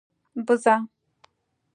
🐐 بزه